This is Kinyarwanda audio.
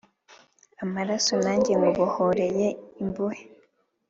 amaraso nanjye nkubohoreye imbohe